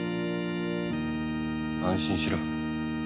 安心しろ。